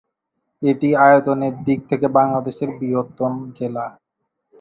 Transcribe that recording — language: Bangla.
এটি আয়তনের দিক থেকে বাংলাদেশের বৃহত্তম জেলা।